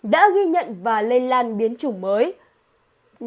đã ghi nhận và lây lan biến chủng omicron